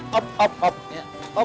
waduh ya dia dengarkan